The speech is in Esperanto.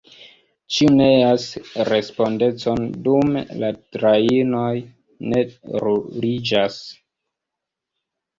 Ĉiu neas respondecon: dume la trajnoj ne ruliĝas.